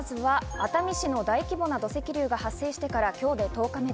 熱海市の大規模な土石流が発生してから今日で１０日目。